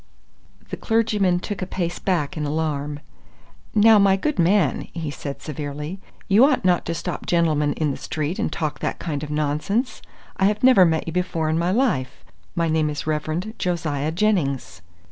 The clergyman took a pace back in alarm. "Now, my good man," he said severely, "you ought not to stop gentlemen in the street and talk that kind of nonsense. I have never met you before in my life. My name is the Reverend Josiah Jennings."